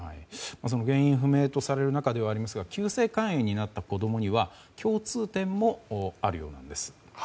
原因不明とされる中ではありますが急性肝炎になった子供には共通点もあるようなんです。